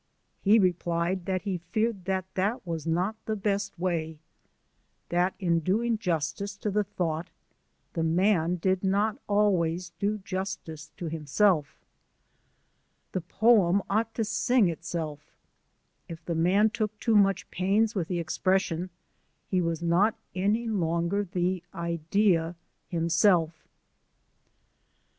He replied, that he feared that that was not the best way, that in doingjustice to the thought, the man did not always do justice to himself, the poem ought to sing itself: if the man took too much pains with the expression, he was not any longer the Idea himself.